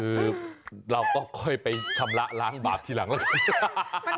คือเราก็ค่อยไปชำระล้างบาปทีหลังแล้วกัน